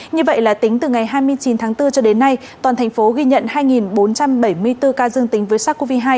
như vậy là tính từ ngày hai mươi chín tháng bốn cho đến nay toàn thành phố ghi nhận hai bốn trăm bảy mươi bốn ca dương tính với sars cov hai